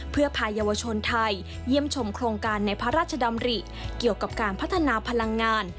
เพื่อพายาวชนไทยเยี่ยมชมโครงการในพระราชดำริเกี่ยวกับการพัฒนาพลังงาน